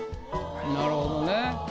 なるほどね。